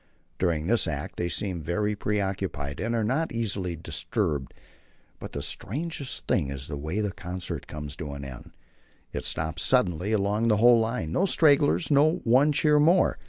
During this act they seem very preoccupied, and are not easily disturbed. But the strangest thing is the way the concert comes to an end. It stops suddenly along the whole line no stragglers, no "one cheer more."